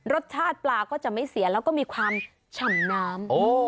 รสชาติปลาก็จะไม่เสียแล้วก็มีความฉ่ำน้ำ